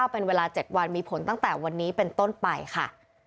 เป็นเวลา๗วันมีผลตั้งแต่วันนี้เป็นต้นไปค่ะ